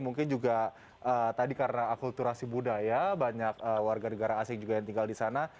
mungkin juga tadi karena akulturasi budaya banyak warga negara asing juga yang tinggal di sana